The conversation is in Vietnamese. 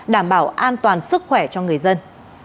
đảm bảo an toàn sức khỏe cho người dân